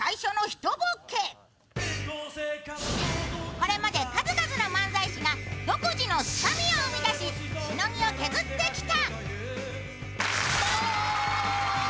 これまで数々の漫才師が独自のつかみを生み出ししのぎを削ってきた。